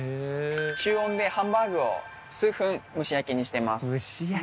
中温でハンバーグを数分蒸し焼きにしてます。